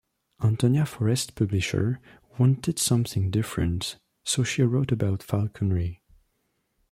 Antonia Forest's publishers wanted something different, so she wrote about falconry.